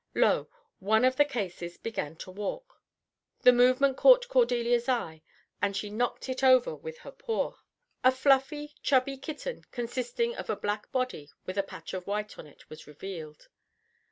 Lo! one of the cases began to walk. The movement caught Cordelia's eye, and she knocked it over with her paw. A fluffy, chubby kitten, consisting of a black body with a patch of white on it, was revealed.